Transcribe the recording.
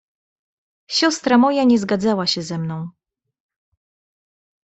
"Siostra moja nie zgadzała się ze mną."